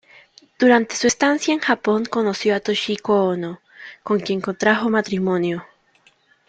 Durante su estancia en Japón, conoció a Toshiko Ono, con quien contrajo matrimonio.